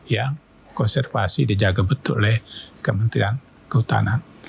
yang konservasi dijaga betul oleh kementerian kehutanan